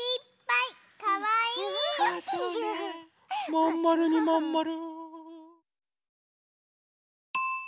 まんまるにまんまる。